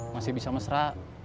masih bisa mesra